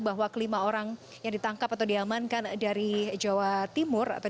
bahwa kelima orang yang ditangkap atau diamankan dari jawa timur atau dari jawa timur dan jawa timur